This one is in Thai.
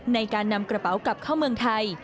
ในการนำกระเป๋ากลับเข้าเมืองไทย